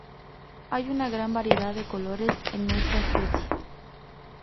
Hay una gran variedad de colores en esta especie.